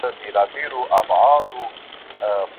تخت او بخت دي وي دایم د مغولانو